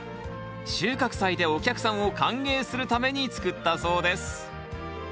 収穫祭でお客さんを歓迎するために作ったそうです